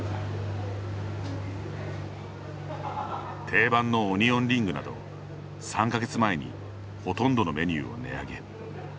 定番のオニオンリングなど３か月前にほとんどのメニューを値上げ。